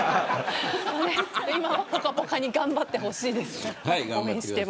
今は、ぽかぽかに頑張ってほしいです。